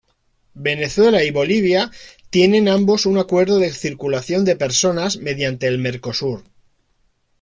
Venezuela y Bolivia tienen ambos un acuerdo de circulación de personas mediante el Mercosur.